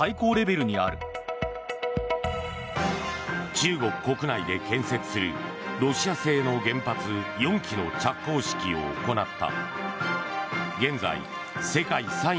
中国国内で建設するロシア製の原発４基の着工式を行った。